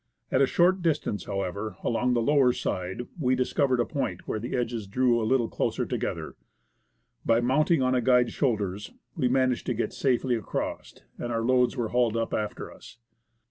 At a short distance, however, along the lower side, we discovered a point where the edges drew a little closer to gether. By mounting on a guide's shoulders, we managed to get safely across, and our loads were hauled up after us.